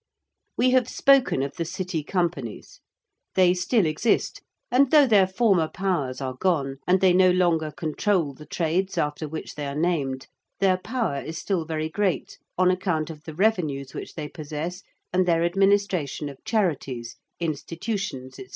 We have spoken of the City Companies. They still exist and though their former powers are gone and they no longer control the trades after which they are named, their power is still very great on account of the revenues which they possess and their administration of charities, institutions, &c.